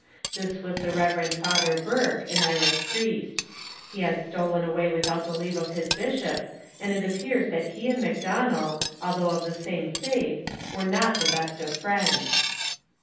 This was the Reverend Father Burke, an Irish priest. He had stolen away without the leave of his bishop, and it appears that he and Macdonell, although of the same faith, were not the best of friends.